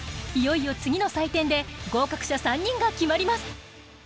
いよいよ次の採点で合格者３人が決まります。